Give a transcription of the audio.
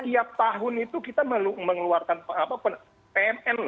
setiap tahun itu kita mengeluarkan apa pun